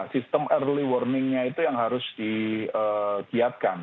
sistem early warningnya itu yang harus digiatkan